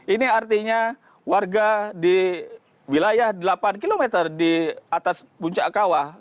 ini artinya warga di wilayah delapan km di atas puncak kawah